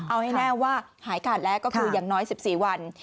เอาให้แน่ว่าหายขาดแล้วก็คืออย่างน้อย๑๔วัน